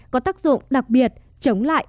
có tác dụng đặc biệt chống lại